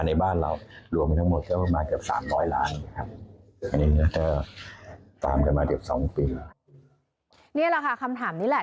นี่แหละค่ะคำถามนี้แหละ